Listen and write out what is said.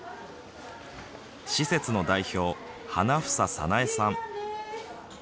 施設の代表、英早苗さん。